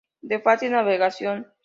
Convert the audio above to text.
De fácil navegación.